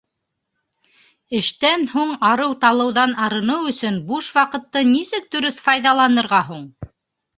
Эштән һуң арыу-талыуҙан арыныу өсөн буш ваҡытты нисек дөрөҫ файҙаланырға һуң?